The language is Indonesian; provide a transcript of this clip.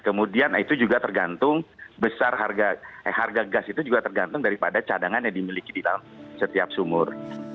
kemudian itu juga tergantung besar harga gas itu juga tergantung daripada cadangan yang dimiliki di dalam setiap sumur